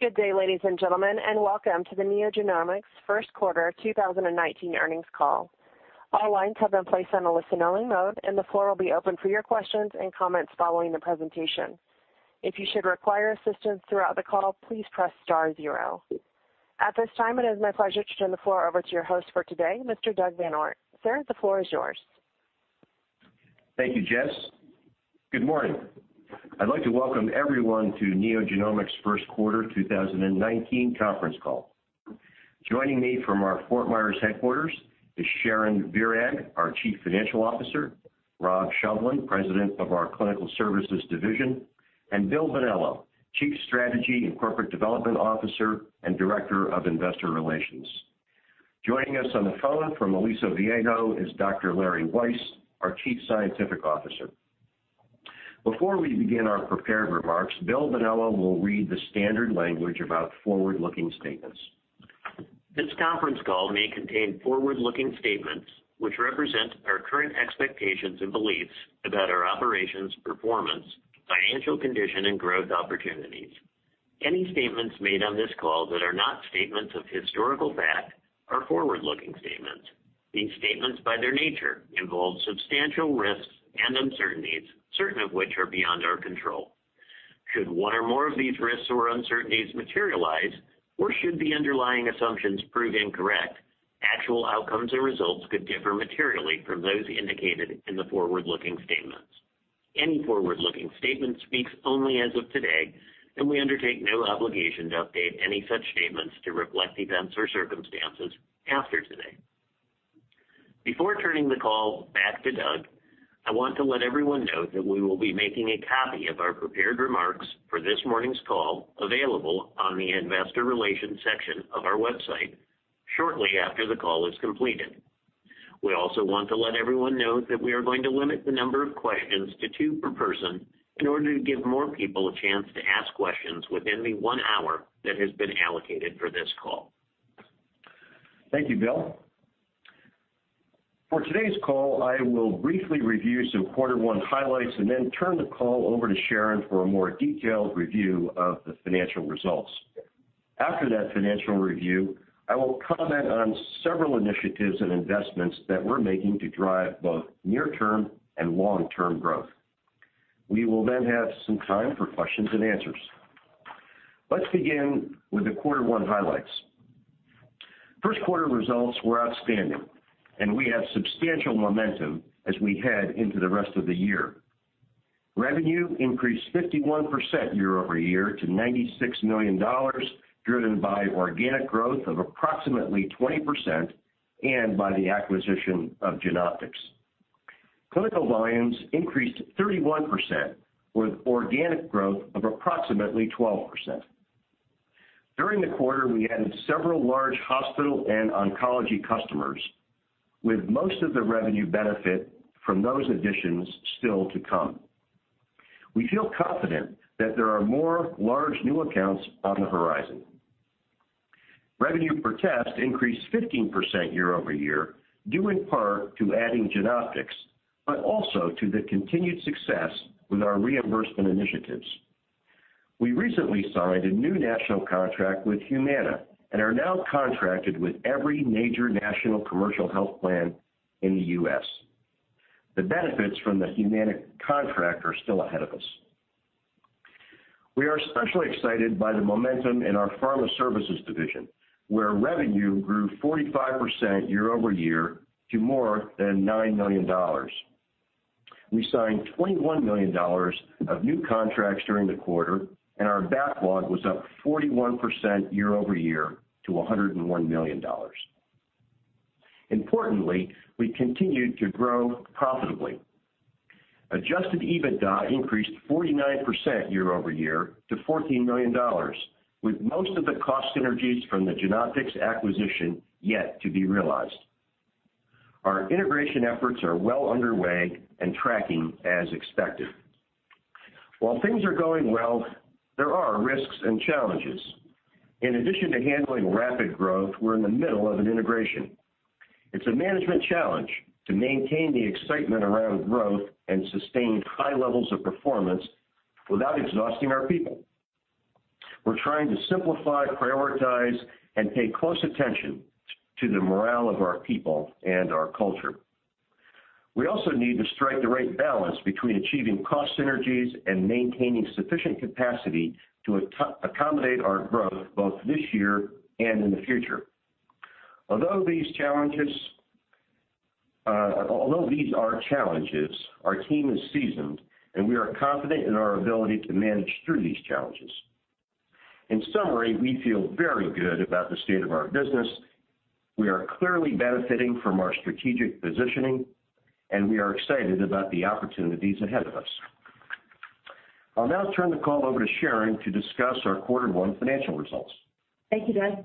Good day, ladies and gentlemen. Welcome to the NeoGenomics First Quarter 2019 earnings call. All lines have been placed on a listen-only mode. The floor will be open for your questions and comments following the presentation. If you should require assistance throughout the call, please press star zero. At this time, it is my pleasure to turn the floor over to your host for today, Mr. Douglas M. VanOort. Sir, the floor is yours. Thank you, Jess. Good morning. I'd like to welcome everyone to NeoGenomics First Quarter 2019 conference call. Joining me from our Fort Myers headquarters is Sharon Virag, our Chief Financial Officer, Robert Shovlin, President of our Clinical Services Division, and William Bonello, Chief Strategy and Corporate Development Officer and Director of Investor Relations. Joining us on the phone from Aliso Viejo is Lawrence M. Weiss, our Chief Scientific Officer. Before we begin our prepared remarks, William Bonello will read the standard language about forward-looking statements. This conference call may contain forward-looking statements which represent our current expectations and beliefs about our operations, performance, financial condition, and growth opportunities. Any statements made on this call that are not statements of historical fact are forward-looking statements. These statements, by their nature, involve substantial risks and uncertainties, certain of which are beyond our control. Should one or more of these risks or uncertainties materialize, or should the underlying assumptions prove incorrect, actual outcomes or results could differ materially from those indicated in the forward-looking statements. Any forward-looking statement speaks only as of today. We undertake no obligation to update any such statements to reflect events or circumstances after today. Before turning the call back to Doug, I want to let everyone know that we will be making a copy of our prepared remarks for this morning's call available on the investor relations section of our website shortly after the call is completed. We also want to let everyone know that we are going to limit the number of questions to two per person in order to give more people a chance to ask questions within the one hour that has been allocated for this call. Thank you, Bill. For today's call, I will briefly review some quarter one highlights. I will turn the call over to Sharon for a more detailed review of the financial results. After that financial review, I will comment on several initiatives and investments that we're making to drive both near-term and long-term growth. We will have some time for questions and answers. Let's begin with the quarter one highlights. First quarter results were outstanding. We have substantial momentum as we head into the rest of the year. Revenue increased 51% year-over-year to $96 million, driven by organic growth of approximately 20% and by the acquisition of Genoptix. Clinical volumes increased 31%, with organic growth of approximately 12%. During the quarter, we added several large hospital and oncology customers, with most of the revenue benefit from those additions still to come. We feel confident that there are more large new accounts on the horizon. Revenue per test increased 15% year-over-year, due in part to adding Genoptix, but also to the continued success with our reimbursement initiatives. We recently signed a new national contract with Humana and are now contracted with every major national commercial health plan in the U.S. The benefits from the Humana contract are still ahead of us. We are especially excited by the momentum in our pharma services division, where revenue grew 45% year-over-year to more than $9 million. We signed $21 million of new contracts during the quarter. Our backlog was up 41% year-over-year to $101 million. Importantly, we continued to grow profitably. Adjusted EBITDA increased 49% year-over-year to $14 million, with most of the cost synergies from the Genoptix acquisition yet to be realized. Our integration efforts are well underway and tracking as expected. While things are going well, there are risks and challenges. In addition to handling rapid growth, we're in the middle of an integration. It's a management challenge to maintain the excitement around growth and sustain high levels of performance without exhausting our people. We're trying to simplify, prioritize, and pay close attention to the morale of our people and our culture. We also need to strike the right balance between achieving cost synergies and maintaining sufficient capacity to accommodate our growth both this year and in the future. Although these are challenges, our team is seasoned. We are confident in our ability to manage through these challenges. In summary, we feel very good about the state of our business. We are clearly benefiting from our strategic positioning. We are excited about the opportunities ahead of us. I'll now turn the call over to Sharon to discuss our quarter one financial results. Thank you, Doug.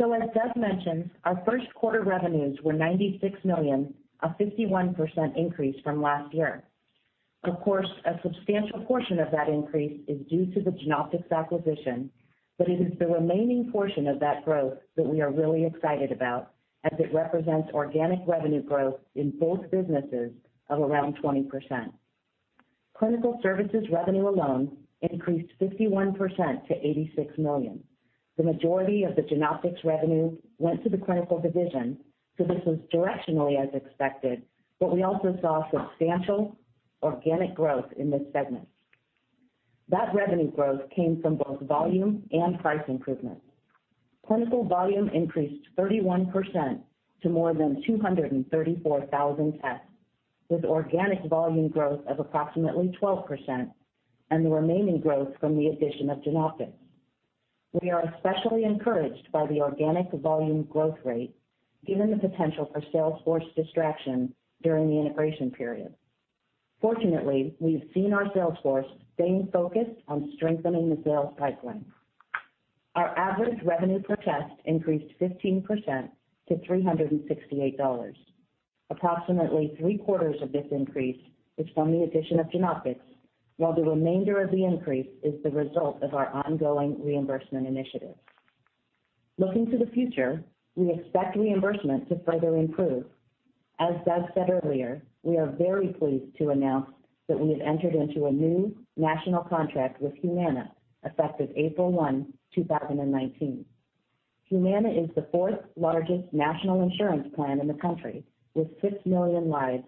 As Doug mentioned, our first quarter revenues were $96 million, a 51% increase from last year. Of course, a substantial portion of that increase is due to the Genoptix acquisition, but it is the remaining portion of that growth that we are really excited about, as it represents organic revenue growth in both businesses of around 20%. Clinical services revenue alone increased 51% to $86 million. The majority of the Genoptix revenue went to the clinical division, this was directionally as expected, but we also saw substantial organic growth in this segment. That revenue growth came from both volume and price improvements. Clinical volume increased 31% to more than 234,000 tests, with organic volume growth of approximately 12% and the remaining growth from the addition of Genoptix. We are especially encouraged by the organic volume growth rate given the potential for sales force distraction during the integration period. Fortunately, we've seen our sales force staying focused on strengthening the sales pipeline. Our average revenue per test increased 15% to $368. Approximately three-quarters of this increase is from the addition of Genoptix, while the remainder of the increase is the result of our ongoing reimbursement initiatives. Looking to the future, we expect reimbursement to further improve. As Doug said earlier, we are very pleased to announce that we have entered into a new national contract with Humana effective April 1, 2019. Humana is the fourth largest national insurance plan in the country, with 6 million lives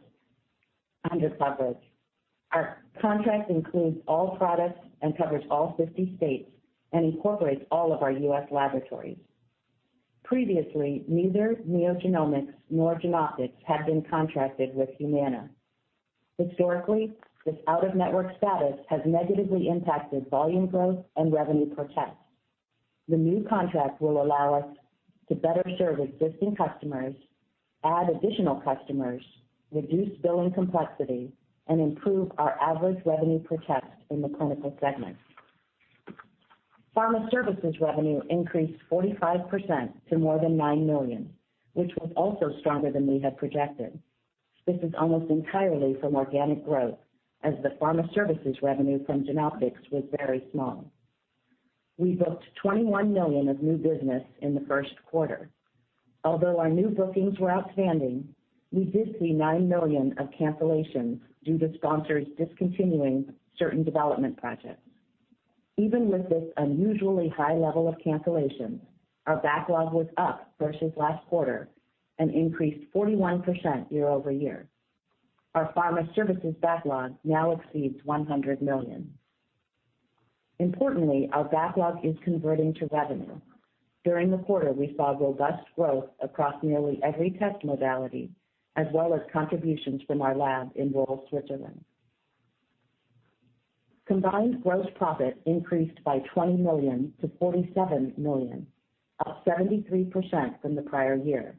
under coverage. Our contract includes all products and covers all 50 states and incorporates all of our U.S. laboratories. Previously, neither NeoGenomics nor Genoptix had been contracted with Humana. Historically, this out-of-network status has negatively impacted volume growth and revenue per test. The new contract will allow us to better serve existing customers, add additional customers, reduce billing complexity, and improve our average revenue per test in the clinical segment. Pharma services revenue increased 45% to more than $9 million, which was also stronger than we had projected. This is almost entirely from organic growth, as the pharma services revenue from Genoptix was very small. We booked $21 million of new business in the first quarter. Although our new bookings were outstanding, we did see $9 million of cancellations due to sponsors discontinuing certain development projects. Even with this unusually high level of cancellations, our backlog was up versus last quarter and increased 41% year-over-year. Our pharma services backlog now exceeds $100 million. Importantly, our backlog is converting to revenue. During the quarter, we saw robust growth across nearly every test modality, as well as contributions from our lab in Rolle, Switzerland. Combined gross profit increased by $20 million to $47 million, up 73% from the prior year.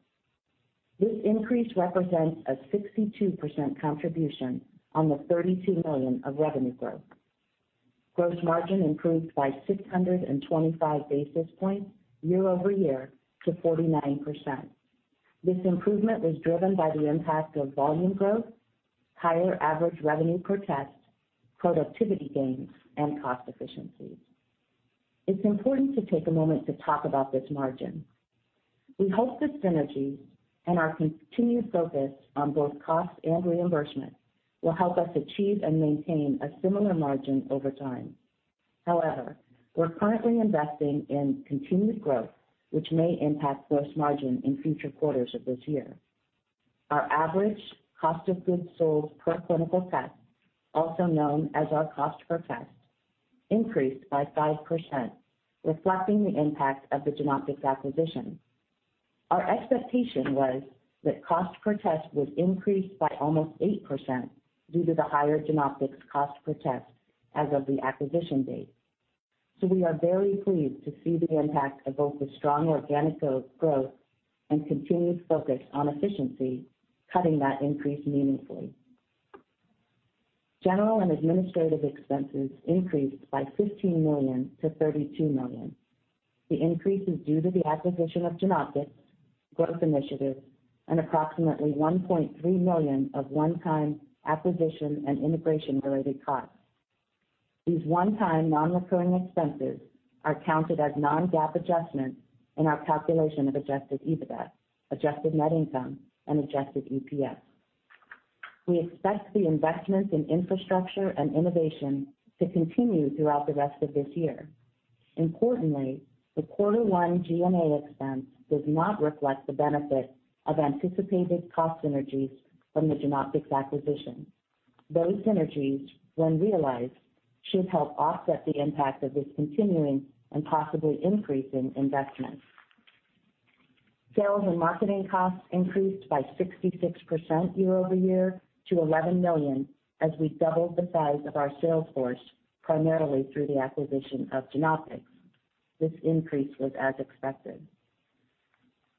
This increase represents a 62% contribution on the $32 million of revenue growth. Gross margin improved by 625 basis points year-over-year to 49%. This improvement was driven by the impact of volume growth, higher average revenue per test, productivity gains, and cost efficiencies. It's important to take a moment to talk about this margin. We hope the synergies and our continued focus on both cost and reimbursement will help us achieve and maintain a similar margin over time. However, we're currently investing in continued growth, which may impact gross margin in future quarters of this year. Our average cost of goods sold per clinical test, also known as our cost per test, increased by 5%, reflecting the impact of the Genoptix acquisition. Our expectation was that cost per test would increase by almost 8% due to the higher Genoptix cost per test as of the acquisition date. We are very pleased to see the impact of both the strong organic growth and continued focus on efficiency, cutting that increase meaningfully. General and administrative expenses increased by $15 million to $32 million. The increase is due to the acquisition of Genoptix, growth initiatives, and approximately $1.3 million of one-time acquisition and integration-related costs. These one-time non-recurring expenses are counted as non-GAAP adjustments in our calculation of adjusted EBITDA, adjusted net income, and adjusted EPS. We expect the investments in infrastructure and innovation to continue throughout the rest of this year. Importantly, the quarter one G&A expense does not reflect the benefit of anticipated cost synergies from the Genoptix acquisition. Those synergies, when realized, should help offset the impact of this continuing and possibly increasing investments. Sales and marketing costs increased by 66% year-over-year to $11 million as we doubled the size of our sales force, primarily through the acquisition of Genoptix. This increase was as expected.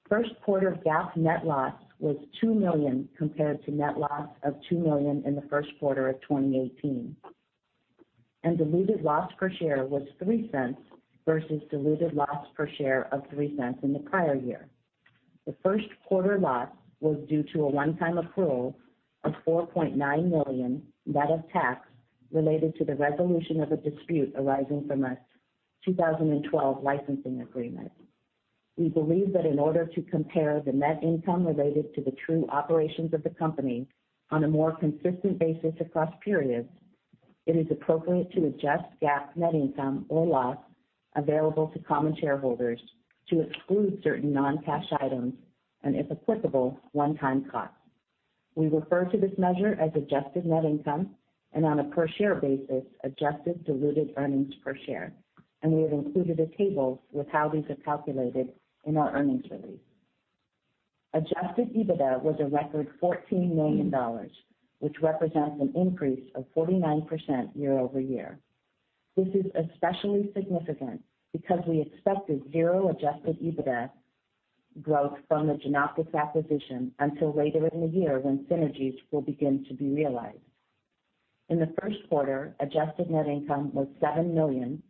First quarter GAAP net loss was $2 million compared to net loss of $2 million in the first quarter of 2018, and diluted loss per share was $0.03 versus diluted loss per share of $0.03 in the prior year. The first quarter loss was due to a one-time accrual of $4.9 million, net of tax, related to the resolution of a dispute arising from a 2012 licensing agreement. We believe that in order to compare the net income related to the true operations of the company on a more consistent basis across periods, it is appropriate to adjust GAAP net income or loss available to common shareholders to exclude certain non-cash items and, if applicable, one-time costs. We refer to this measure as adjusted net income and on a per share basis, adjusted diluted earnings per share, and we have included a table with how these are calculated in our earnings release. Adjusted EBITDA was a record $14 million, which represents an increase of 49% year-over-year. This is especially significant because we expected zero adjusted EBITDA growth from the Genoptix acquisition until later in the year when synergies will begin to be realized. In the first quarter, adjusted net income was $7 million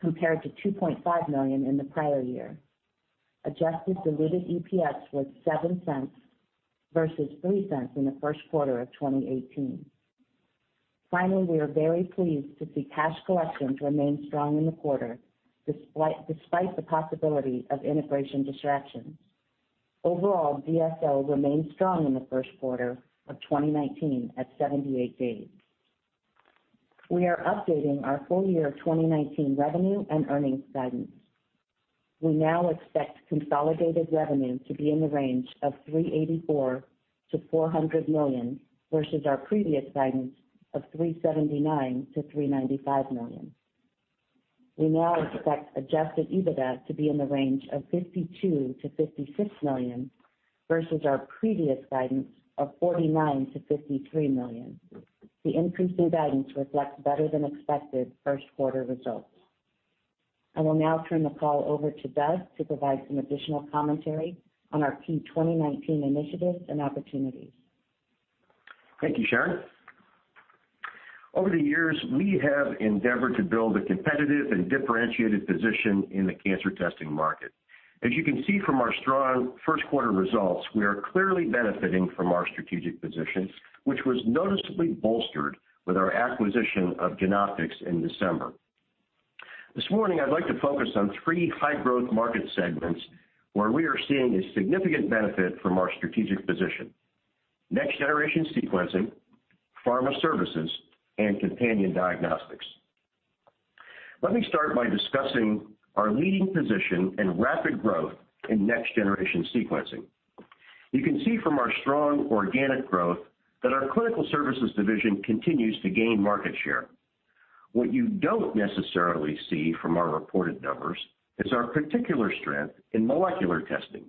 compared to $2.5 million in the prior year. Adjusted diluted EPS was $0.07 versus $0.03 in the first quarter of 2018. Finally, we are very pleased to see cash collections remain strong in the quarter despite the possibility of integration distractions. Overall, DSO remained strong in the first quarter of 2019 at 78 days. We are updating our full year 2019 revenue and earnings guidance. We now expect consolidated revenue to be in the range of $384 million-$400 million versus our previous guidance of $379 million-$395 million. We now expect adjusted EBITDA to be in the range of $52 million-$56 million versus our previous guidance of $49 million-$53 million. The increase in guidance reflects better than expected first quarter results. I will now turn the call over to Doug to provide some additional commentary on our key 2019 initiatives and opportunities. Thank you, Sharon. Over the years, we have endeavored to build a competitive and differentiated position in the cancer testing market. As you can see from our strong first quarter results, we are clearly benefiting from our strategic position, which was noticeably bolstered with our acquisition of Genoptix in December. This morning, I'd like to focus on three high-growth market segments where we are seeing a significant benefit from our strategic position: next-generation sequencing, pharma services, and companion diagnostics. Let me start by discussing our leading position and rapid growth in next-generation sequencing. You can see from our strong organic growth that our clinical services division continues to gain market share. What you don't necessarily see from our reported numbers is our particular strength in molecular testing,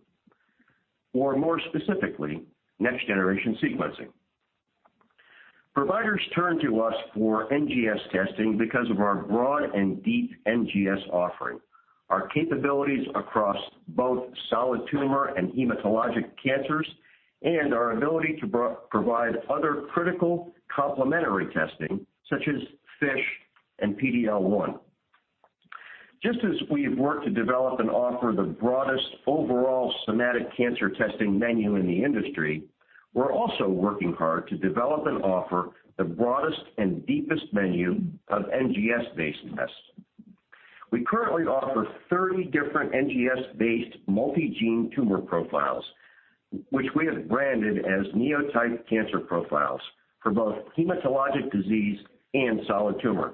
or more specifically, next-generation sequencing. Providers turn to us for NGS testing because of our broad and deep NGS offering, our capabilities across both solid tumor and hematologic cancers, and our ability to provide other critical complementary testing such as FISH and PD-L1. Just as we have worked to develop and offer the broadest overall somatic cancer testing menu in the industry, we're also working hard to develop and offer the broadest and deepest menu of NGS-based tests. We currently offer 30 different NGS-based multi-gene tumor profiles, which we have branded as NeoType cancer profiles for both hematologic disease and solid tumor.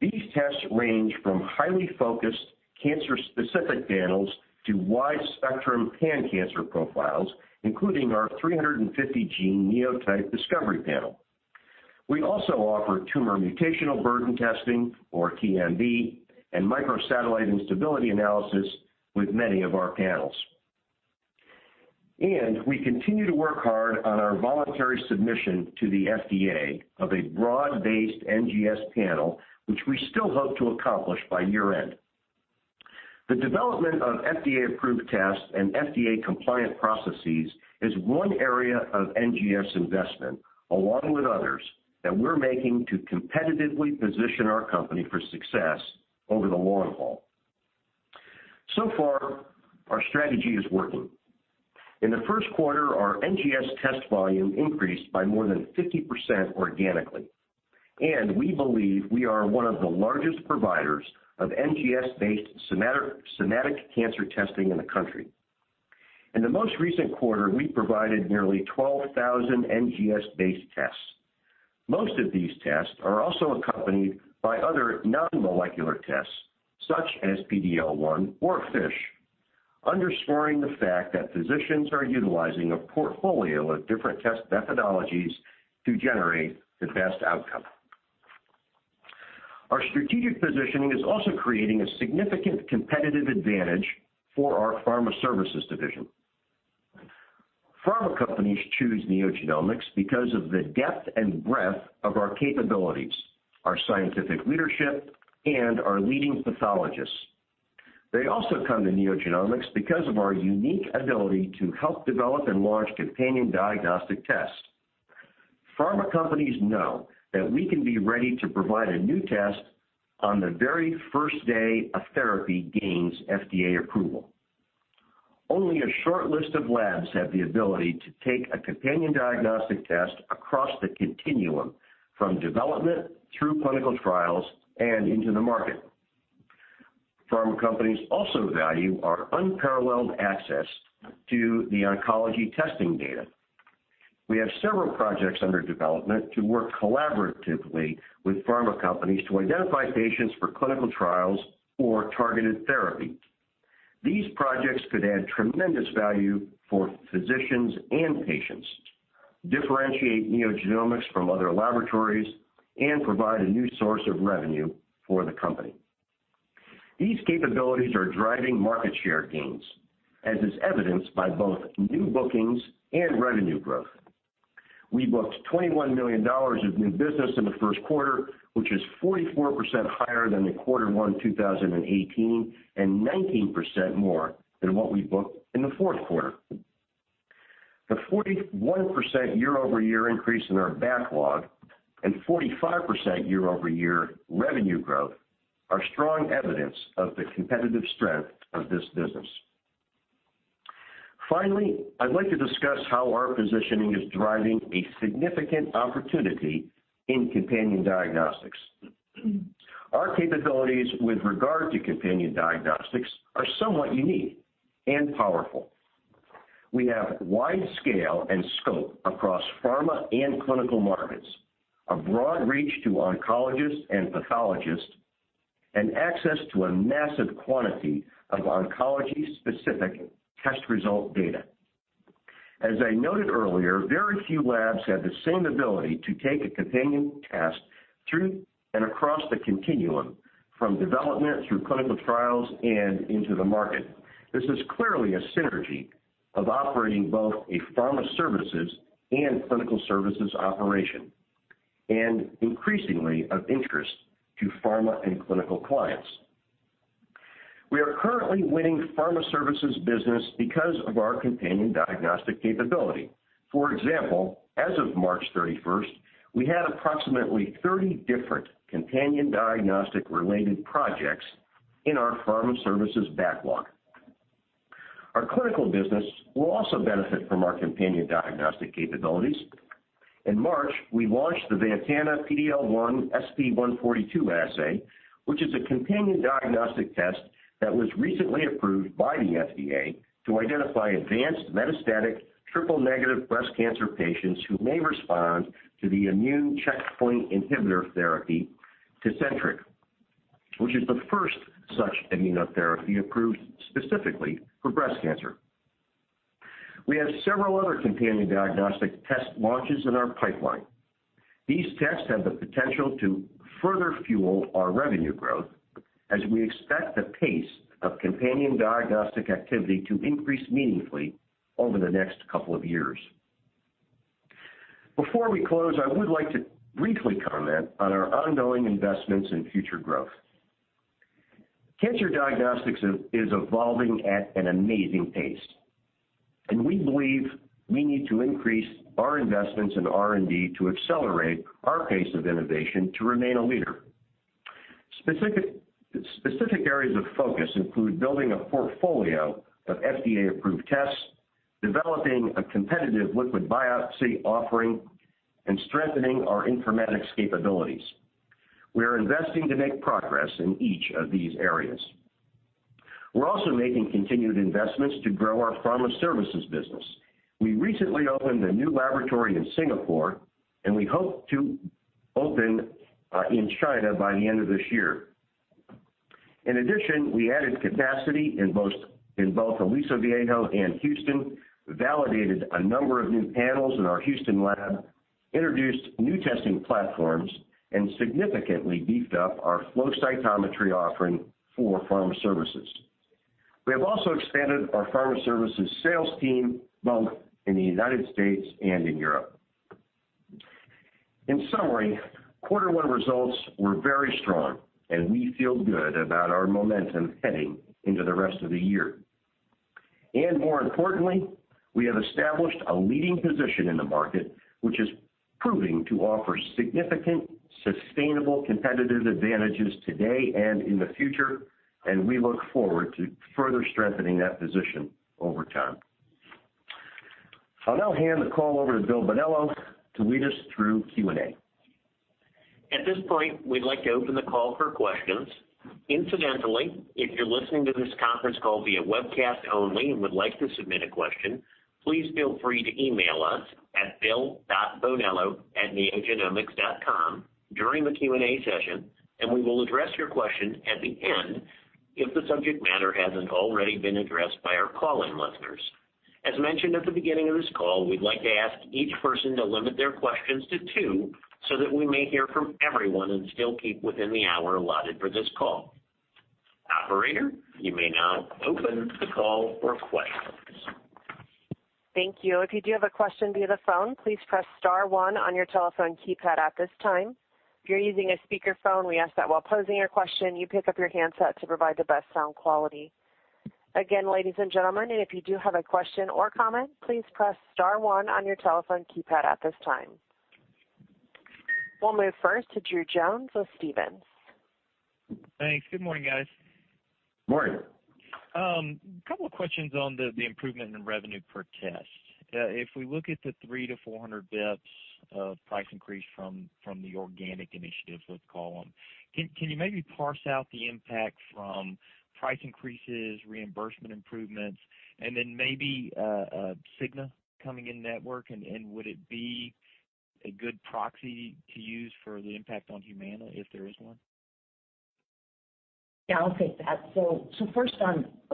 These tests range from highly focused cancer-specific panels to wide spectrum pan-cancer profiles, including our 350-gene NeoType Discovery panel. We also offer tumor mutational burden testing, or TMB, and microsatellite instability analysis with many of our panels. We continue to work hard on our voluntary submission to the FDA of a broad-based NGS panel, which we still hope to accomplish by year-end. The development of FDA-approved tests and FDA-compliant processes is one area of NGS investment, along with others, that we're making to competitively position our company for success over the long haul. So far, our strategy is working. In the first quarter, our NGS test volume increased by more than 50% organically, and we believe we are one of the largest providers of NGS-based somatic cancer testing in the country. In the most recent quarter, we provided nearly 12,000 NGS-based tests. Most of these tests are also accompanied by other non-molecular tests, such as PD-L1 or FISH, underscoring the fact that physicians are utilizing a portfolio of different test methodologies to generate the best outcome. Our strategic positioning is also creating a significant competitive advantage for our pharma services division. Pharma companies choose NeoGenomics because of the depth and breadth of our capabilities, our scientific leadership, and our leading pathologists. They also come to NeoGenomics because of our unique ability to help develop and launch companion diagnostic tests. Pharma companies know that we can be ready to provide a new test on the very first day a therapy gains FDA approval. Only a short list of labs have the ability to take a companion diagnostic test across the continuum, from development through clinical trials and into the market. Pharma companies also value our unparalleled access to the oncology testing data. We have several projects under development to work collaboratively with pharma companies to identify patients for clinical trials or targeted therapy. These projects could add tremendous value for physicians and patients, differentiate NeoGenomics from other laboratories, and provide a new source of revenue for the company. These capabilities are driving market share gains, as is evidenced by both new bookings and revenue growth. We booked $21 million of new business in the first quarter, which is 44% higher than the quarter one 2018, and 19% more than what we booked in the fourth quarter. The 41% year-over-year increase in our backlog and 45% year-over-year revenue growth are strong evidence of the competitive strength of this business. Finally, I'd like to discuss how our positioning is driving a significant opportunity in companion diagnostics. Our capabilities with regard to companion diagnostics are somewhat unique and powerful. We have wide scale and scope across pharma and clinical markets, a broad reach to oncologists and pathologists, and access to a massive quantity of oncology-specific test result data. As I noted earlier, very few labs have the same ability to take a companion test through and across the continuum, from development through clinical trials and into the market. This is clearly a synergy of operating both a pharma services and clinical services operation, and increasingly of interest to pharma and clinical clients. We are currently winning pharma services business because of our companion diagnostic capability. For example, as of March 31st, we had approximately 30 different companion diagnostic-related projects in our pharma services backlog. Our clinical business will also benefit from our companion diagnostic capabilities. In March, we launched the VENTANA PD-L1 (SP142) Assay, which is a companion diagnostic test that was recently approved by the FDA to identify advanced metastatic triple-negative breast cancer patients who may respond to the immune checkpoint inhibitor therapy, TECENTRIQ, which is the first such immunotherapy approved specifically for breast cancer. We have several other companion diagnostic test launches in our pipeline. These tests have the potential to further fuel our revenue growth as we expect the pace of companion diagnostic activity to increase meaningfully over the next couple of years. Before we close, I would like to briefly comment on our ongoing investments in future growth. Cancer diagnostics is evolving at an amazing pace, and we believe we need to increase our investments in R&D to accelerate our pace of innovation to remain a leader. Specific areas of focus include building a portfolio of FDA-approved tests, developing a competitive liquid biopsy offering, and strengthening our informatics capabilities. We are investing to make progress in each of these areas. We're also making continued investments to grow our pharma services business. We recently opened a new laboratory in Singapore. We hope to open in China by the end of this year. In addition, we added capacity in both Aliso Viejo and Houston, validated a number of new panels in our Houston lab, introduced new testing platforms, and significantly beefed up our flow cytometry offering for pharma services. We have also expanded our pharma services sales team, both in the U.S. and in Europe. In summary, quarter one results were very strong, and we feel good about our momentum heading into the rest of the year. More importantly, we have established a leading position in the market, which is proving to offer significant, sustainable competitive advantages today and in the future. We look forward to further strengthening that position over time. I'll now hand the call over to Bill Bonello to lead us through Q&A. At this point, we'd like to open the call for questions. Incidentally, if you're listening to this conference call via webcast only and would like to submit a question, please feel free to email us at bill.bonello@neogenomics.com during the Q&A session. We will address your question at the end if the subject matter hasn't already been addressed by our call-in listeners. As mentioned at the beginning of this call, we'd like to ask each person to limit their questions to two so that we may hear from everyone and still keep within the hour allotted for this call. Operator, you may now open the call for questions. Thank you. If you do have a question via the phone, please press star one on your telephone keypad at this time. If you're using a speakerphone, we ask that while posing your question, you pick up your handset to provide the best sound quality. Again, ladies and gentlemen, if you do have a question or comment, please press star one on your telephone keypad at this time. We'll move first to Drew Jones with Stephens. Thanks. Good morning, guys. Morning. A couple of questions on the improvement in revenue per test. If we look at the 300 to 400 basis points of price increase from the organic initiatives, let's call them, can you maybe parse out the impact from price increases, reimbursement improvements, then maybe Cigna coming in-network, would it be a good proxy to use for the impact on Humana, if there is one? Yeah, I'll take that. First,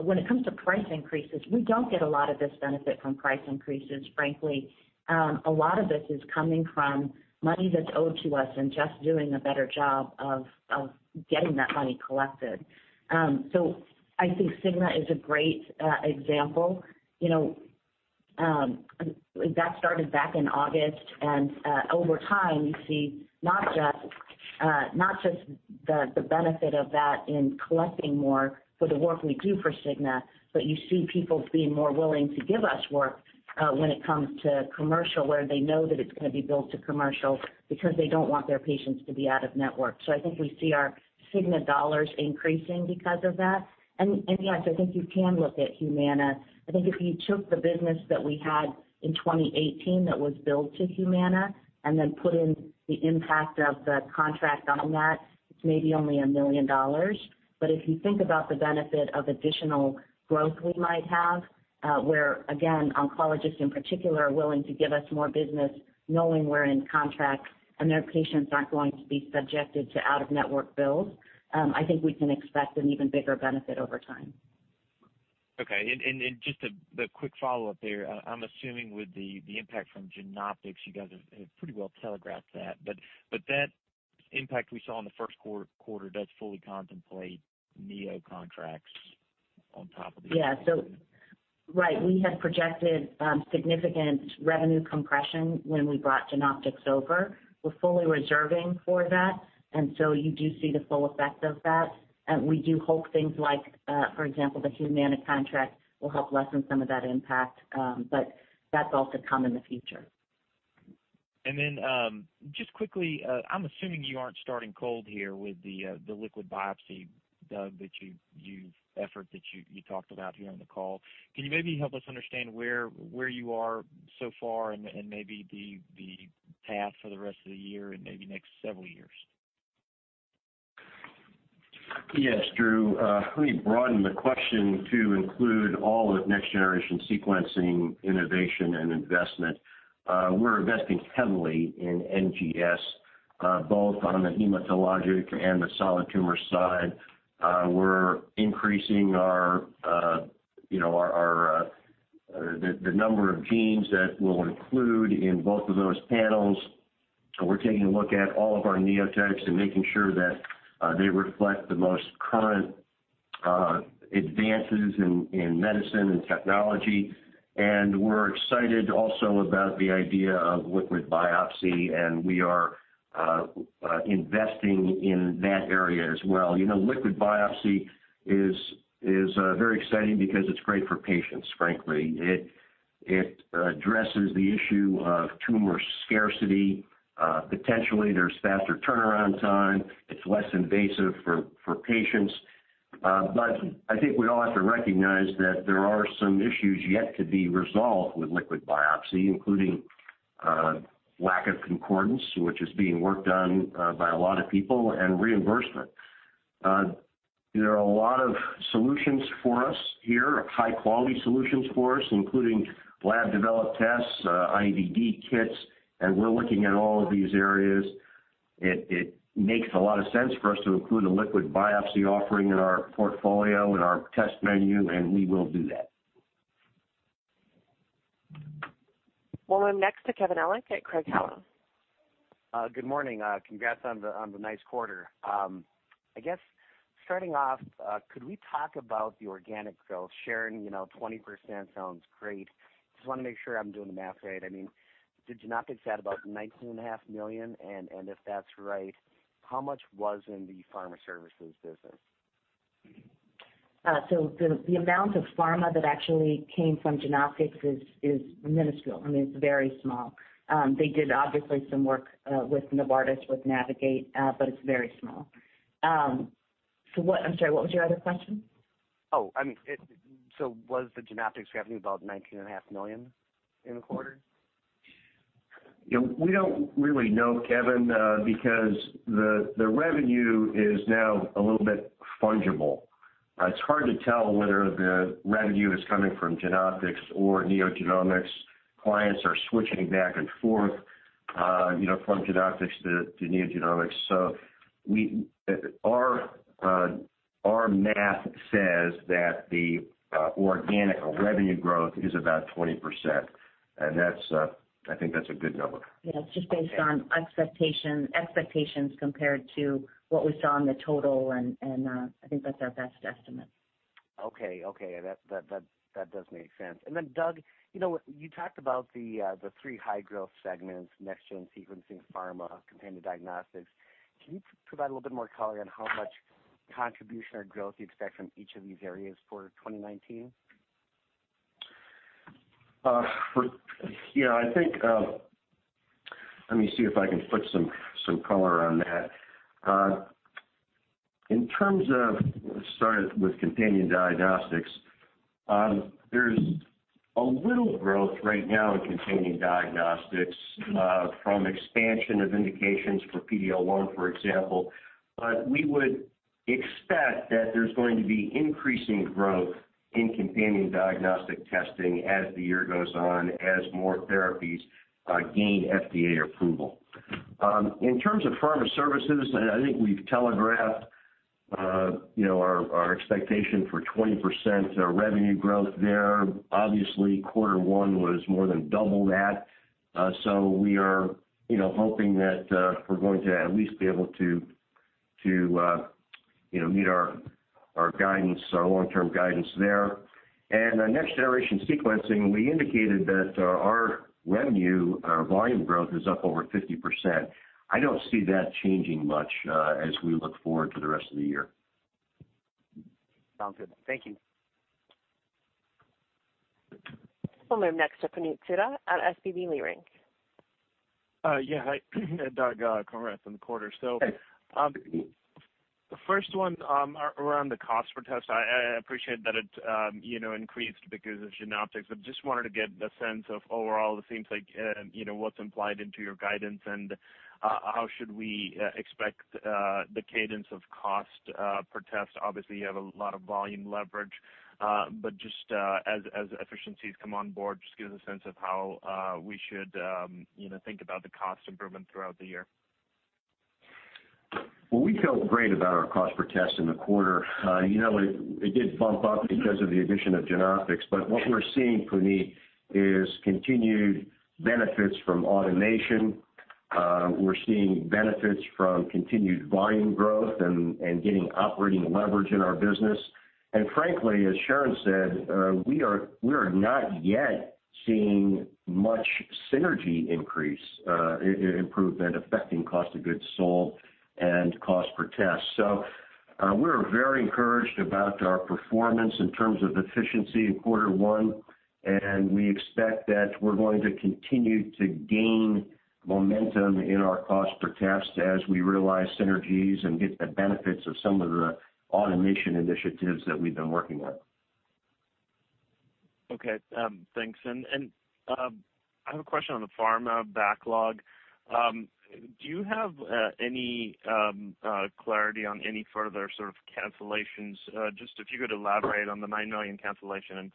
when it comes to price increases, we don't get a lot of this benefit from price increases, frankly. A lot of this is coming from money that's owed to us and just doing a better job of getting that money collected. I think Cigna is a great example. That started back in August, over time, you see not just the benefit of that in collecting more for the work we do for Cigna, but you see people being more willing to give us work when it comes to commercial, where they know that it's going to be billed to commercial because they don't want their patients to be out-of-network. I think we see our Cigna dollars increasing because of that. Yes, I think you can look at Humana. I think if you took the business that we had in 2018 that was billed to Humana and then put in the impact of the contract on that, it's maybe only $1 million. If you think about the benefit of additional growth we might have, where, again, oncologists in particular are willing to give us more business knowing we're in contract and their patients aren't going to be subjected to out-of-network bills, I think we can expect an even bigger benefit over time. Okay. Just a quick follow-up there. I'm assuming with the impact from Genoptix, you guys have pretty well telegraphed that, but that impact we saw in the first quarter does fully contemplate Neo contracts on top of the? Yeah. Right. We had projected significant revenue compression when we brought Genoptix over. We're fully reserving for that, you do see the full effect of that. We do hope things like, for example, the Humana contract will help lessen some of that impact, that's all to come in the future. Just quickly, I'm assuming you aren't starting cold here with the liquid biopsy, Doug, effort that you talked about here on the call. Can you maybe help us understand where you are so far and maybe the path for the rest of the year and maybe next several years? Yes, Drew. Let me broaden the question to include all of next-generation sequencing innovation and investment. We're investing heavily in NGS, both on the hematologic and the solid tumor side. We're increasing the number of genes that we'll include in both of those panels. We're taking a look at all of our Neo tests and making sure that they reflect the most current advances in medicine and technology. We're excited also about the idea of liquid biopsy, and we are investing in that area as well. Liquid biopsy is very exciting because it's great for patients, frankly. It addresses the issue of tumor scarcity. Potentially, there's faster turnaround time. It's less invasive for patients. I think we all have to recognize that there are some issues yet to be resolved with liquid biopsy, including lack of concordance, which is being worked on by a lot of people, and reimbursement. There are a lot of solutions for us here, high-quality solutions for us, including Laboratory Developed Tests, IVD kits, and we're looking at all of these areas. It makes a lot of sense for us to include a liquid biopsy offering in our portfolio, in our test menu, and we will do that. We'll move next to Kevin Ellig at Craig-Hallum. Good morning. Congrats on the nice quarter. Starting off, could we talk about the organic growth? Sharon, 20% sounds great. Just want to make sure I'm doing the math right. Did Genoptix add about $19.5 million? If that's right, how much was in the pharma services business? The amount of pharma that actually came from Genoptix is minuscule. It's very small. They did obviously some work with Novartis with Navigate, but it's very small. I'm sorry, what was your other question? Was the Genoptix revenue about $19.5 million in the quarter? We don't really know, Kevin, because the revenue is now a little bit fungible. It's hard to tell whether the revenue is coming from Genoptix or NeoGenomics. Clients are switching back and forth from Genoptix to NeoGenomics. Our math says that the organic revenue growth is about 20%, and I think that's a good number. Yeah. It's just based on expectations compared to what we saw in the total, and I think that's our best estimate. Okay. That does make sense. Then Doug, you talked about the three high-growth segments, next-gen sequencing, pharma, companion diagnostics. Can you provide a little bit more color on how much contribution or growth you expect from each of these areas for 2019? Yeah. Let me see if I can put some color on that. In terms of, let's start with companion diagnostics. There's a little growth right now in companion diagnostics from expansion of indications for PD-L1, for example. We would expect that there's going to be increasing growth in companion diagnostic testing as the year goes on, as more therapies gain FDA approval. In terms of pharma services, I think we've telegraphed our expectation for 20% revenue growth there. Obviously, quarter one was more than double that. We are hoping that we're going to at least be able to meet our long-term guidance there. Our next generation sequencing, we indicated that our revenue, our volume growth is up over 50%. I don't see that changing much as we look forward to the rest of the year. Sounds good. Thank you. We'll move next to Puneet Souda at SVB Leerink. Yeah, hi. Doug, comments on the quarter. Hey. The first one around the cost per test. I appreciate that it increased because of Genoptix, but just wanted to get a sense of overall, what's implied into your guidance and how should we expect the cadence of cost per test? Obviously, you have a lot of volume leverage. Just as efficiencies come on board, just give us a sense of how we should think about the cost improvement throughout the year. Well, we felt great about our cost per test in the quarter. It did bump up because of the addition of Genoptix. What we're seeing, Puneet, is continued benefits from automation. We're seeing benefits from continued volume growth and getting operating leverage in our business. Frankly, as Sharon said, we are not yet seeing much synergy increase improvement affecting cost of goods sold and cost per test. We're very encouraged about our performance in terms of efficiency in quarter one, and we expect that we're going to continue to gain momentum in our cost per test as we realize synergies and get the benefits of some of the automation initiatives that we've been working on. Okay, thanks. I have a question on the pharma backlog. Do you have any clarity on any further sort of cancellations? Just if you could elaborate on the $9 million cancellation and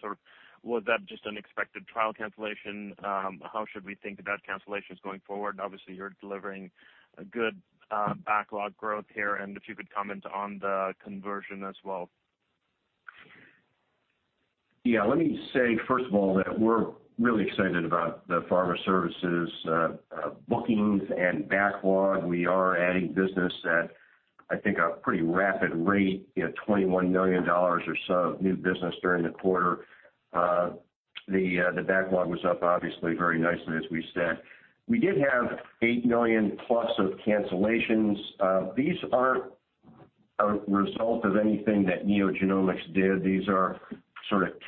was that just unexpected trial cancellation? How should we think about cancellations going forward? Obviously, you're delivering a good backlog growth here, if you could comment on the conversion as well. Yeah. Let me say, first of all, that we're really excited about the pharma services bookings and backlog. We are adding business at, I think, a pretty rapid rate, $21 million or so of new business during the quarter. The backlog was up obviously very nicely, as we said. We did have $8 million plus of cancellations. These aren't a result of anything that NeoGenomics did. These are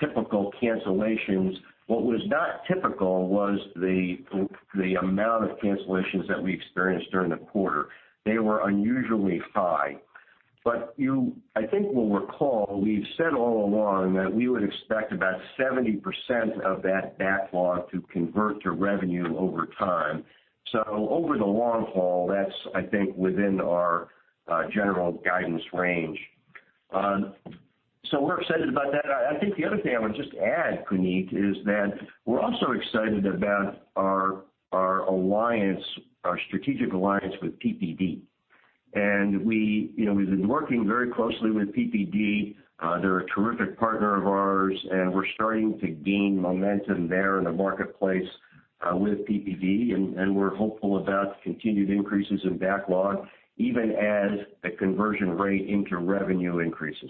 typical cancellations. What was not typical was the amount of cancellations that we experienced during the quarter. They were unusually high. I think you'll recall, we've said all along that we would expect about 70% of that backlog to convert to revenue over time. Over the long haul, that's within our general guidance range. We're excited about that. I think the other thing I would just add, Puneet, is that we're also excited about our strategic alliance with PPD. We've been working very closely with PPD. They're a terrific partner of ours, and we're starting to gain momentum there in the marketplace with PPD, and we're hopeful about continued increases in backlog even as the conversion rate into revenue increases.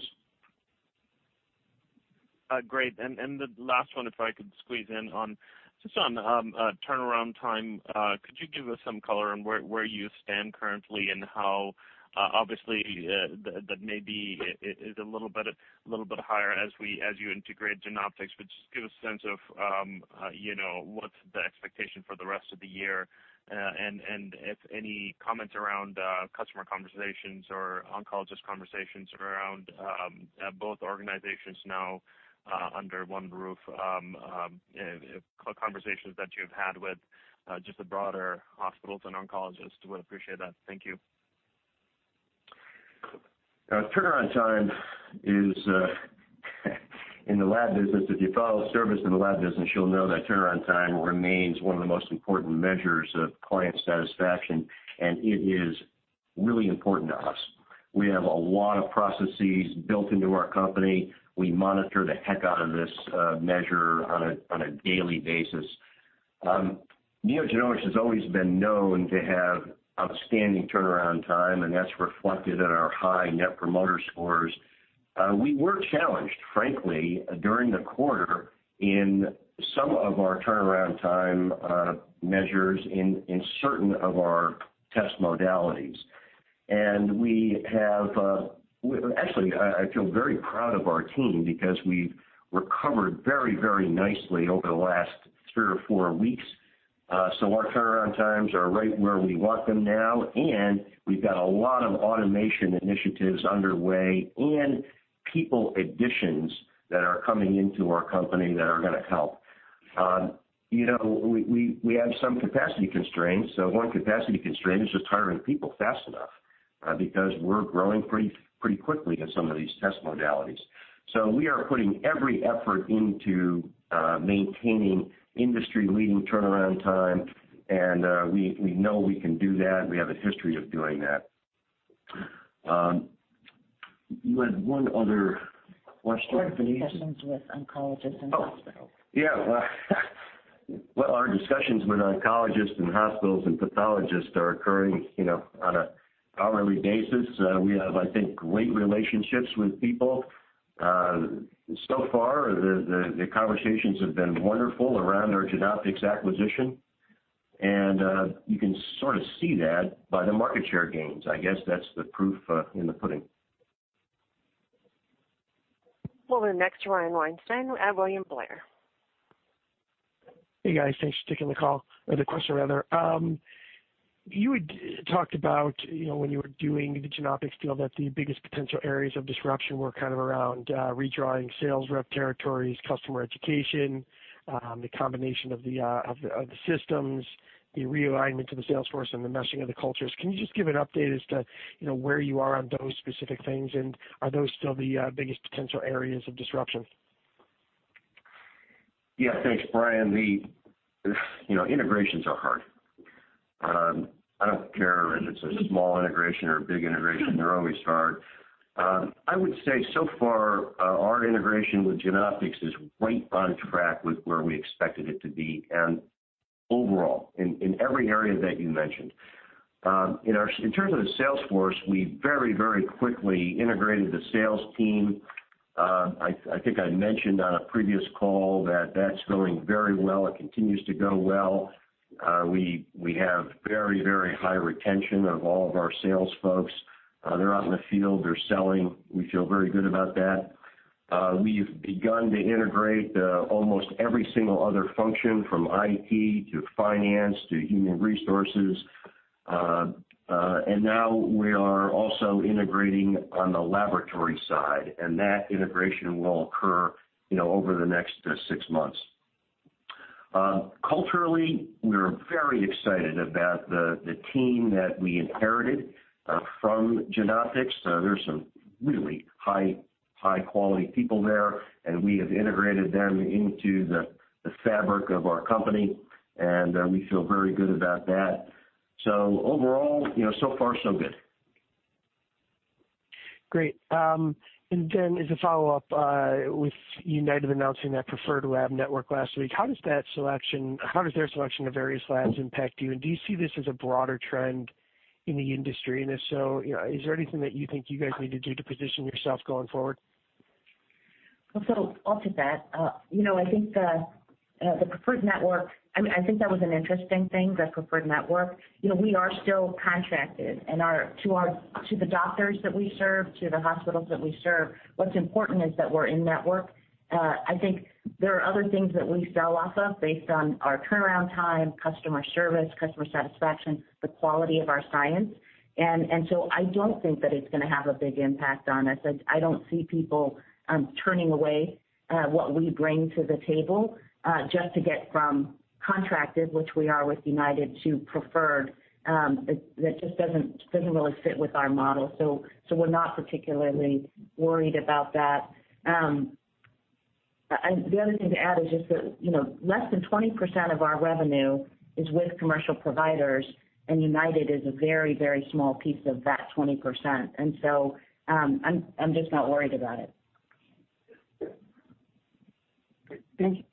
Great. The last one, if I could squeeze in on, just on turnaround time, could you give us some color on where you stand currently and how, obviously, that maybe is a little bit higher as you integrate Genoptix, but just give a sense of what's the expectation for the rest of the year, and if any comments around customer conversations or oncologist conversations around both organizations now under one roof, conversations that you've had with just the broader hospitals and oncologists, would appreciate that. Thank you. Turnaround time is in the lab business, if you follow service in the lab business, you'll know that turnaround time remains one of the most important measures of client satisfaction, and it is really important to us. We have a lot of processes built into our company. We monitor the heck out of this measure on a daily basis. NeoGenomics has always been known to have outstanding turnaround time, and that's reflected in our high Net Promoter Score. We were challenged, frankly, during the quarter in some of our turnaround time measures in certain of our test modalities. Actually, I feel very proud of our team because we've recovered very, very nicely over the last three or four weeks. Our turnaround times are right where we want them now, and we've got a lot of automation initiatives underway and people additions that are coming into our company that are going to help. We have some capacity constraints. One capacity constraint is just hiring people fast enough, because we're growing pretty quickly in some of these test modalities. We are putting every effort into maintaining industry-leading turnaround time, and we know we can do that. We have a history of doing that. You had one other question, Puneet. Discussions with oncologists and hospitals. Oh, yeah. Well, our discussions with oncologists and hospitals and pathologists are occurring on an hourly basis. We have, I think, great relationships with people. So far, the conversations have been wonderful around our Genoptix acquisition, and you can sort of see that by the market share gains. I guess that's the proof in the pudding. We'll go next to Brian Weinstein at William Blair. Hey, guys. Thanks for taking the call, or the question rather. You had talked about when you were doing the Genoptix deal that the biggest potential areas of disruption were kind of around redrawing sales rep territories, customer education, the combination of the systems, the realignment of the sales force, and the meshing of the cultures. Can you just give an update as to where you are on those specific things, and are those still the biggest potential areas of disruption? Yeah. Thanks, Brian. Integrations are hard. I don't care if it's a small integration or a big integration, they're always hard. I would say so far, our integration with Genoptix is right on track with where we expected it to be, and overall, in every area that you mentioned. In terms of the sales force, we very, very quickly integrated the sales team. I think I mentioned on a previous call that that's going very well. It continues to go well. We have very, very high retention of all of our sales folks. They're out in the field, they're selling. We feel very good about that. We've begun to integrate almost every single other function, from IT to finance to human resources. Now we are also integrating on the laboratory side, and that integration will occur over the next 6 months. Culturally, we're very excited about the team that we inherited from Genoptix. There's some really high-quality people there, we have integrated them into the fabric of our company, and we feel very good about that. Overall, so far so good. Great. Then as a follow-up, with UnitedHealthcare announcing that preferred lab network last week, how does their selection of various labs impact you? Do you see this as a broader trend in the industry? If so, is there anything that you think you guys need to do to position yourself going forward? I'll take that. I think that was an interesting thing, the preferred network. We are still contracted, to the doctors that we serve, to the hospitals that we serve, what's important is that we're in-network. I think there are other things that we sell off of based on our turnaround time, customer service, customer satisfaction, the quality of our science. I don't think that it's going to have a big impact on us. I don't see people turning away what we bring to the table just to get from contracted, which we are with UnitedHealthcare, to preferred. That just doesn't really fit with our model. We're not particularly worried about that. The other thing to add is just that less than 20% of our revenue is with commercial providers, UnitedHealthcare is a very, very small piece of that 20%. I'm just not worried about it. Great. Thank you.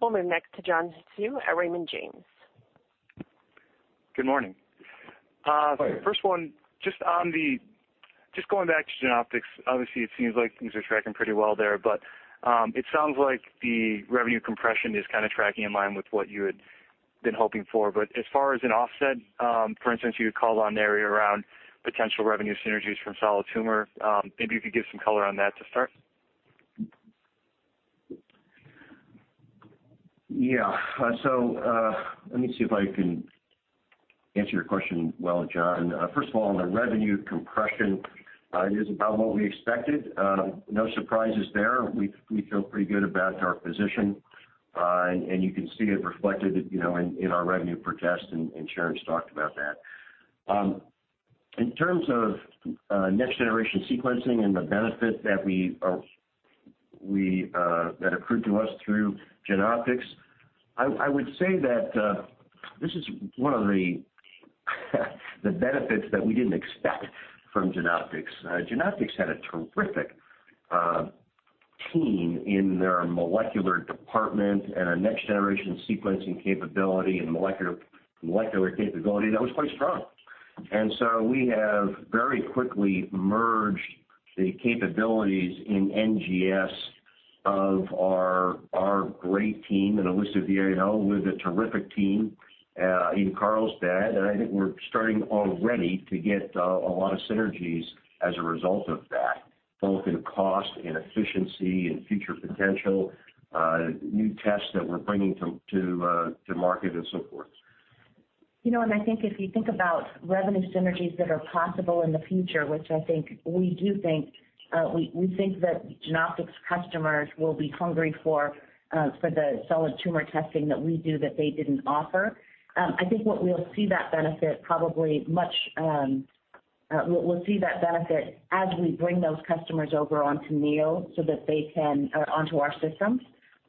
We'll move next to John Hsu at Raymond James. Good morning. Hi. First one, just going back to Genoptix, obviously, it seems like things are tracking pretty well there, but it sounds like the revenue compression is kind of tracking in line with what you had been hoping for. As far as an offset, for instance, you had called on the area around potential revenue synergies from solid tumor. Maybe you could give some color on that to start. Yeah. Let me see if I can answer your question well, John. First of all, on the revenue compression, it is about what we expected. No surprises there. We feel pretty good about our position. You can see it reflected in our revenue per test, and Sharon's talked about that. In terms of next-generation sequencing and the benefit that accrued to us through Genoptix, I would say that this is one of the benefits that we didn't expect from Genoptix. Genoptix had a terrific team in their molecular department and a next-generation sequencing capability and molecular capability that was quite strong. We have very quickly merged the capabilities in NGS of our great team in Aliso Viejo with a terrific team in Carlsbad. I think we're starting already to get a lot of synergies as a result of that, both in cost and efficiency and future potential, new tests that we're bringing to market and so forth. I think if you think about revenue synergies that are possible in the future, which I think we do think that Genoptix customers will be hungry for the solid tumor testing that we do that they didn't offer. I think we'll see that benefit as we bring those customers over onto our systems,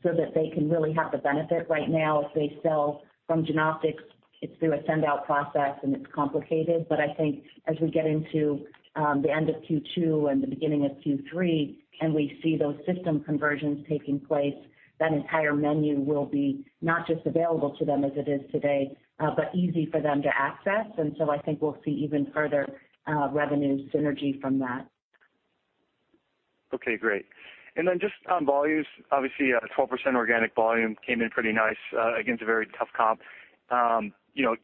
so that they can really have the benefit. Right now, if they sell from Genoptix, it's through a send-out process, and it's complicated. I think as we get into the end of Q2 and the beginning of Q3, we see those system conversions taking place, that entire menu will be not just available to them as it is today, but easy for them to access. I think we'll see even further revenue synergy from that. Okay, great. Just on volumes, obviously, a 12% organic volume came in pretty nice against a very tough comp.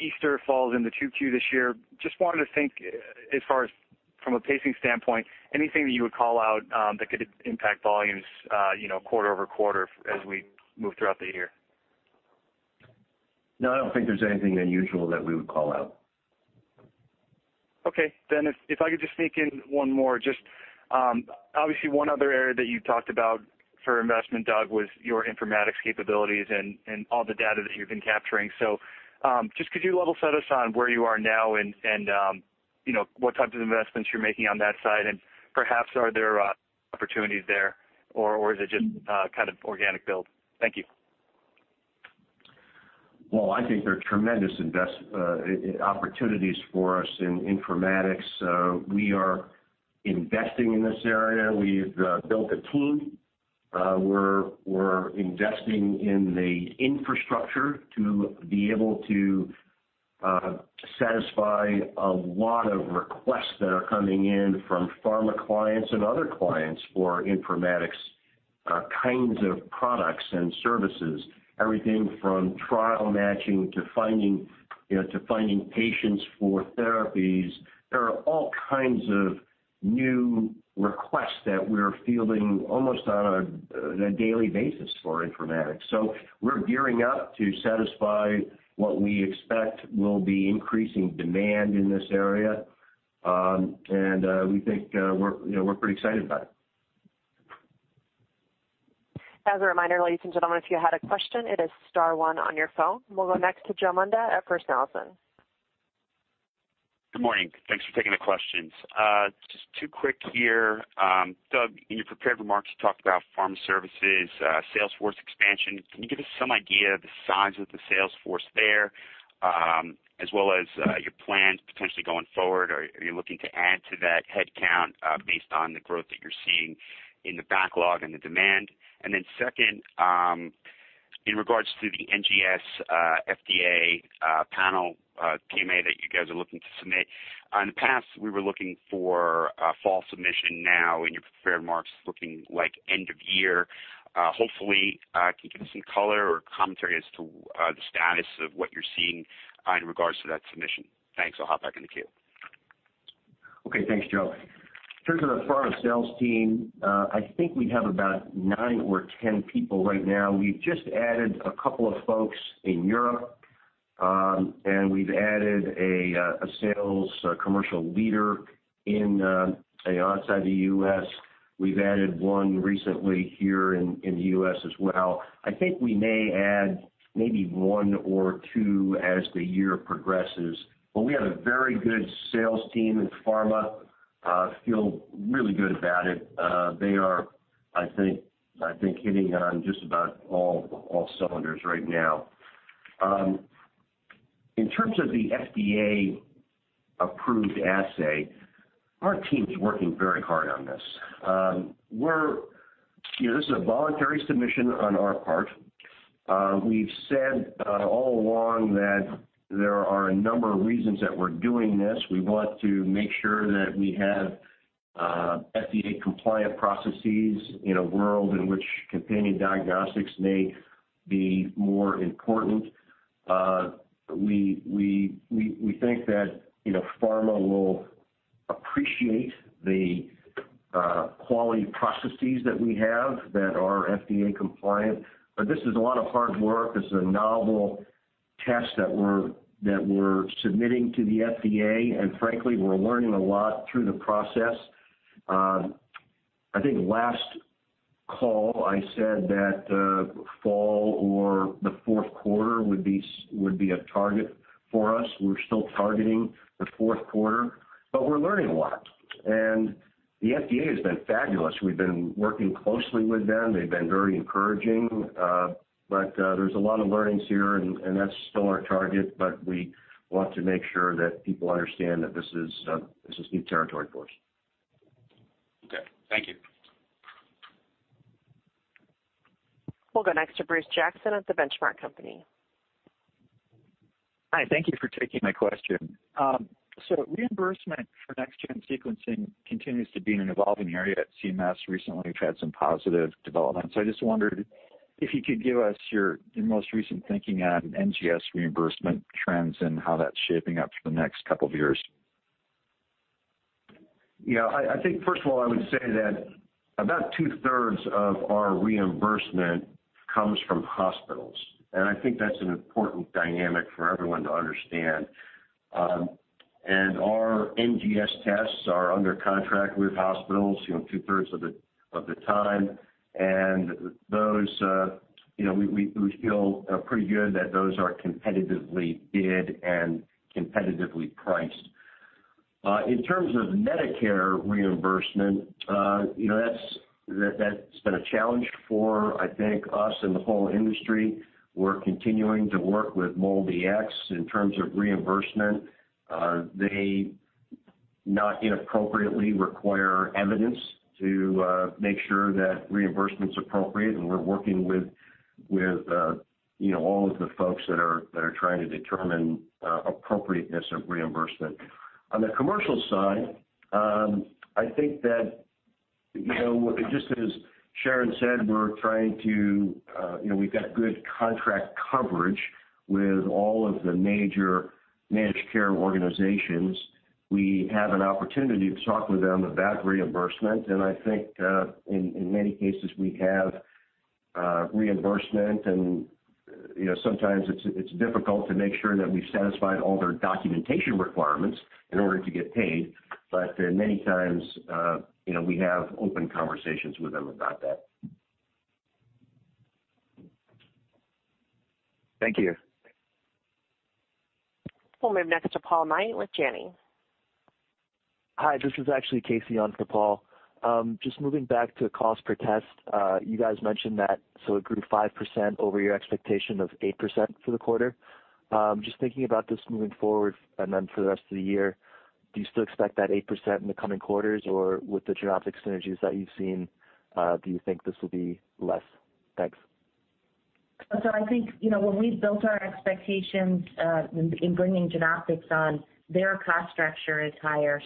Easter falls into Q2 this year. Just wanted to think, as far as from a pacing standpoint, anything that you would call out that could impact volumes quarter-over-quarter as we move throughout the year? No, I don't think there's anything unusual that we would call out. Okay, if I could just sneak in one more, just obviously one other area that you talked about for investment, Doug, was your informatics capabilities and all the data that you've been capturing. Just could you level set us on where you are now and what types of investments you're making on that side, and perhaps are there opportunities there, or is it just kind of organic build? Thank you. Well, I think there are tremendous opportunities for us in informatics. We are investing in this area. We've built a team. We're investing in the infrastructure to be able to satisfy a lot of requests that are coming in from pharma clients and other clients for informatics kinds of products and services, everything from trial matching to finding patients for therapies. There are all kinds of new requests that we're fielding almost on a daily basis for informatics. We're gearing up to satisfy what we expect will be increasing demand in this area. We think we're pretty excited about it. As a reminder, ladies and gentlemen, if you had a question, it is star one on your phone. We'll go next to Joe Munda at First Analysis. Good morning. Thanks for taking the questions. Just two quick here. Doug, in your prepared remarks, you talked about pharma services, sales force expansion. Can you give us some idea of the size of the sales force there, as well as your plans potentially going forward? Are you looking to add to that headcount based on the growth that you're seeing in the backlog and the demand? Second, in regards to the NGS FDA panel PMA that you guys are looking to submit, in the past, we were looking for a fall submission. Now in your prepared remarks, looking like end of year. Hopefully, can you give us some color or commentary as to the status of what you're seeing in regards to that submission? Thanks. I'll hop back in the queue. Okay. Thanks, Joe. In terms of the pharma sales team, I think we have about nine or 10 people right now. We've just added a couple of folks in Europe, and we've added a sales commercial leader outside the U.S. We've added one recently here in the U.S. as well. I think we may add maybe one or two as the year progresses. We have a very good sales team in pharma. I feel really good about it. They are, I think, hitting on just about all cylinders right now. In terms of the FDA-approved assay, our team's working very hard on this. This is a voluntary submission on our part. We've said all along that there are a number of reasons that we're doing this. We want to make sure that we have FDA-compliant processes in a world in which companion diagnostics may be more important. We think that pharma will appreciate the quality processes that we have that are FDA compliant. This is a lot of hard work. This is a novel test that we're submitting to the FDA. Frankly, we're learning a lot through the process. I think last call, I said that fall or the fourth quarter would be a target for us. We're still targeting the fourth quarter, we're learning a lot. The FDA has been fabulous. We've been working closely with them. They've been very encouraging. There's a lot of learnings here, and that's still our target, but we want to make sure that people understand that this is new territory for us. Okay. Thank you. We'll go next to Bruce Jackson at The Benchmark Company. Hi, thank you for taking my question. Reimbursement for next-gen sequencing continues to be an evolving area at CMS. Recently, we've had some positive developments. I just wondered if you could give us your most recent thinking on NGS reimbursement trends and how that's shaping up for the next couple of years. Yeah. I think, first of all, I would say that about two-thirds of our reimbursement comes from hospitals, and I think that's an important dynamic for everyone to understand. Our NGS tests are under contract with hospitals two-thirds of the time. We feel pretty good that those are competitively bid and competitively priced. In terms of Medicare reimbursement, that's been a challenge for, I think, us and the whole industry. We're continuing to work with MolDX in terms of reimbursement. They not inappropriately require evidence to make sure that reimbursement's appropriate, and we're working with all of the folks that are trying to determine appropriateness of reimbursement. On the commercial side, I think that, just as Sharon said, we've got good contract coverage with all of the major managed care organizations. We have an opportunity to talk with them about reimbursement. I think, in many cases, we have reimbursement and sometimes it's difficult to make sure that we've satisfied all their documentation requirements in order to get paid. Many times, we have open conversations with them about that. Thank you. We'll move next to Paul Knight with Janney. Hi, this is actually Casey on for Paul. Just moving back to cost per test. You guys mentioned that it grew 5% over your expectation of 8% for the quarter. Just thinking about this moving forward and then for the rest of the year, do you still expect that 8% in the coming quarters or with the Genoptix synergies that you've seen, do you think this will be less? Thanks. I think, when we built our expectations in bringing Genoptix on, their cost structure is higher.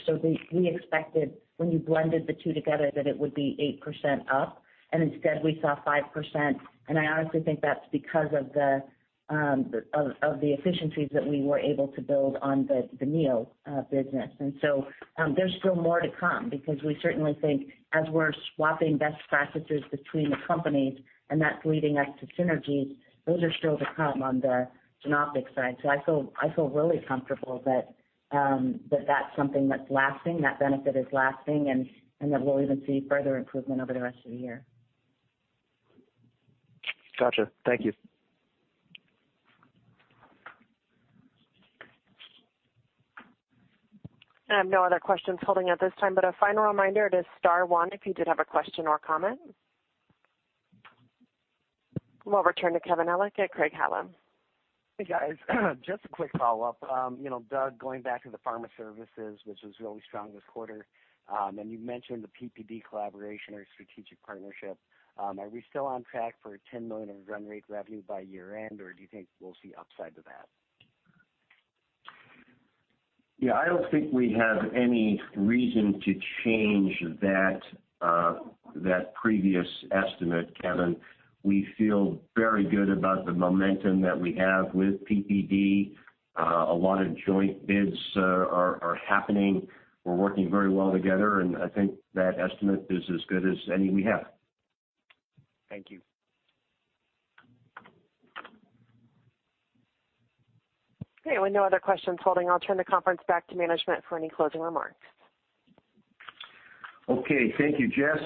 We expected when you blended the two together that it would be 8% up, and instead we saw 5%. I honestly think that's because of the efficiencies that we were able to build on the Neo business. There's still more to come because we certainly think as we're swapping best practices between the companies, and that's leading us to synergies, those are still to come on the Genoptix side. I feel really comfortable that that's something that's lasting, that benefit is lasting, and that we'll even see further improvement over the rest of the year. Got you. Thank you. I have no other questions holding at this time. A final reminder, it is star one if you did have a question or comment. We'll return to Kevin Ellig at Craig-Hallum. Hey, guys. Just a quick follow-up. Doug, going back to the pharma services, which was really strong this quarter. You mentioned the PPD collaboration or strategic partnership. Are we still on track for a $10 million run rate revenue by year-end, or do you think we'll see upside to that? Yeah, I don't think we have any reason to change that previous estimate, Kevin. We feel very good about the momentum that we have with PPD. A lot of joint bids are happening. We're working very well together, and I think that estimate is as good as any we have. Thank you. Okay, with no other questions holding, I'll turn the conference back to management for any closing remarks. Okay. Thank you, Jess.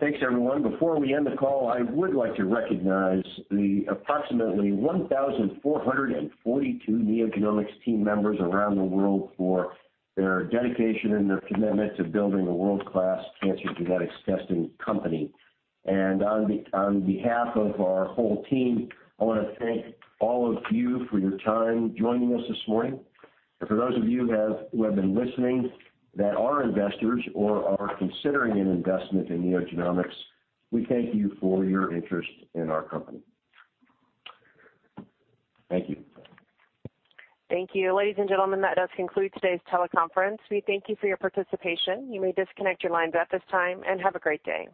Thanks, everyone. Before we end the call, I would like to recognize the approximately 1,442 NeoGenomics team members around the world for their dedication and their commitment to building a world-class cancer genetics testing company. On behalf of our whole team, I want to thank all of you for your time joining us this morning. For those of you who have been listening that are investors or are considering an investment in NeoGenomics, we thank you for your interest in our company. Thank you. Thank you. Ladies and gentlemen, that does conclude today's teleconference. We thank you for your participation. You may disconnect your lines at this time, and have a great day.